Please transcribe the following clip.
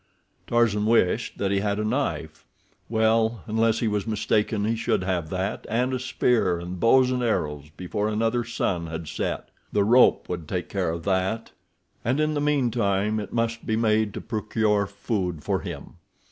Tarzan wished that he had a knife. Well, unless he was mistaken he should have that and a spear and bows and arrows before another sun had set—the rope would take care of that, and in the meantime it must be made to procure food for him.